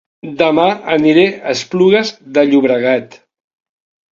Dema aniré a Esplugues de Llobregat